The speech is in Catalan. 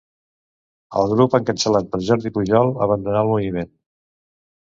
El grup encapçalat per Jordi Pujol abandonà el moviment.